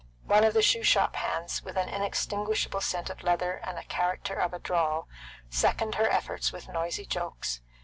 One of the shoe shop hands, with an inextinguishable scent of leather and the character of a droll, seconded her efforts with noisy jokes.